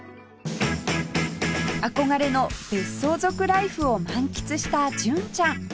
憧れの別荘族ライフを満喫した純ちゃん